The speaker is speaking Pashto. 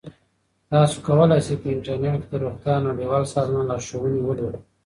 تاسو کولی شئ په انټرنیټ کې د روغتیا نړیوال سازمان لارښوونې ولولئ.